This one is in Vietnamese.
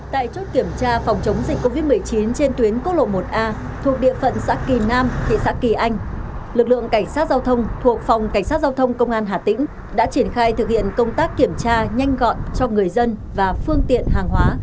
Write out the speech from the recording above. tại chốt kiểm tra phòng chống dịch covid một mươi chín trên tuyến quốc lộ một a thuộc địa phận xã kỳ nam thị xã kỳ anh lực lượng cảnh sát giao thông thuộc phòng cảnh sát giao thông công an hà tĩnh đã triển khai thực hiện công tác kiểm tra nhanh gọn cho người dân và phương tiện hàng hóa